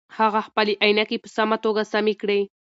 هغه خپلې عینکې په سمه توګه سمې کړې.